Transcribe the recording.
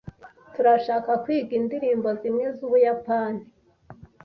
Turashaka kwiga indirimbo zimwe z'Ubuyapani.